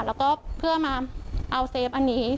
แล้วก็เพื่อมาเอาเซฟอันนี้